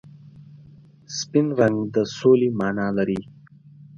سپین رنګ د سولې مانا لري.